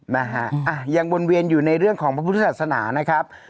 นะฮะอ่ะยังวนเวียนอยู่ในเรื่องของพระพุทธศาสนานะครับ